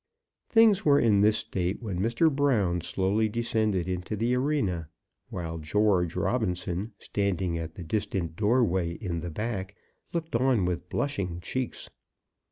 Things were in this state when Mr. Brown slowly descended into the arena, while George Robinson, standing at the distant doorway in the back, looked on with blushing cheeks.